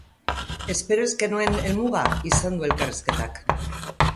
Espero ez genuen helmuga izan du elkarrizketak.